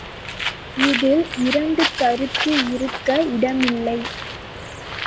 இதில் இரண்டு கருத்து இருக்க இடமில்லை.